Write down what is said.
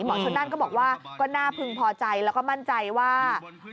ชนนั่นก็บอกว่าก็น่าพึงพอใจแล้วก็มั่นใจว่า